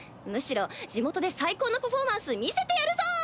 むしろ地元で最高のパフォーマンス見せてやるぞ！